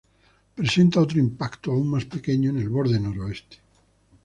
Presenta otro impacto aún más pequeño en el borde noreste.